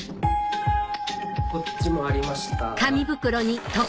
こっちもありました。